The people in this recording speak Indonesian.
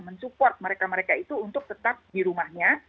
mensupport mereka mereka itu untuk tetap di rumahnya